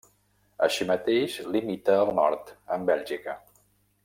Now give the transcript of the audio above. Així mateix, limita al nord amb Bèlgica.